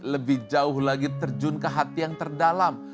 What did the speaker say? lebih jauh lagi terjun ke hati yang terdalam